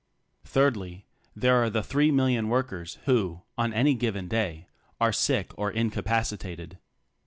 Thirdly, there are the three million workers, who, on any given day, are sick or incapacitated.